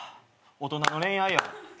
大人の恋愛やん。